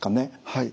はい。